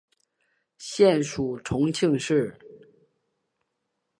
现属重庆市。